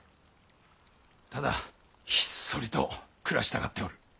ただひっそりと暮らしたがっておる。